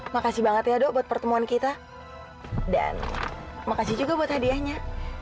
makasih banget ya dok buat pertemuan kita dan makasih juga buat hadiahnya